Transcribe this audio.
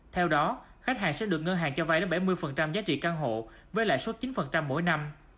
theo đó khách hàng sẽ được ngân hàng cho vay đến bảy mươi giá trị căn hộ với lãi suất chín mỗi năm